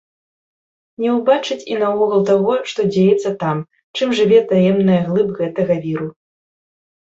Не ўбачыць і наогул таго, што дзеецца там, чым жыве таемная глыб гэтага віру.